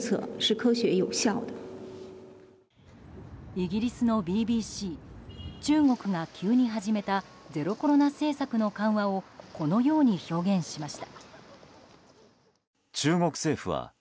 イギリスのＢＢＣ中国が急に始めたゼロコロナ政策の緩和をこのように表現しました。